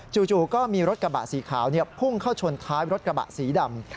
จู่ก็มีรถกระบะสีขาวพุ่งเข้าชนท้ายรถกระบะสีดำ